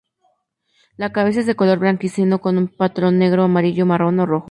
La cabeza es de color blanquecino con un patrón negro, amarillo, marrón o rojo.